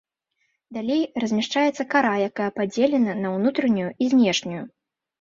Далей размяшчаецца кара, якая падзелена на ўнутраную і знешнюю.